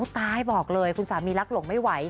ตายบอกเลยคุณสามีรักหลงไม่ไหว